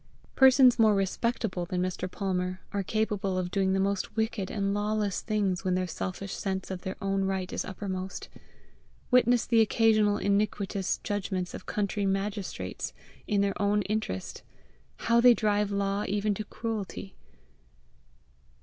Persons more RESPECTABLE than Mr. Palmer are capable of doing the most wicked and lawless things when their selfish sense of their own right is uppermost. Witness the occasionally iniquitous judgments of country magistrates in their own interest how they drive law even to cruelty!